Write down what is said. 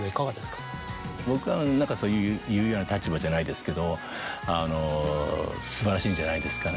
僕が何か言うような立場じゃないですけど素晴らしいんじゃないですかね。